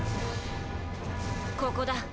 ここだ。